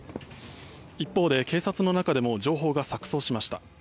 一方で警察の中でも情報が錯そうしました。